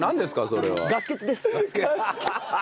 それは。